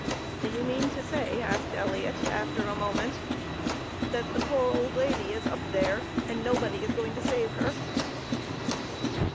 "Do you mean to say," asked Elliot, after a moment, "that the poor old lady is up there and nobody is going to save her?"